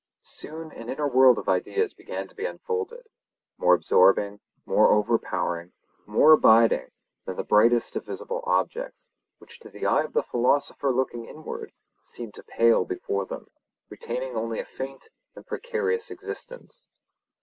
Soon an inner world of ideas began to be unfolded, more absorbing, more overpowering, more abiding than the brightest of visible objects, which to the eye of the philosopher looking inward, seemed to pale before them, retaining only a faint and precarious existence.